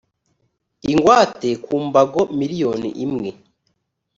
ingwate ku mbago miliyoni imwe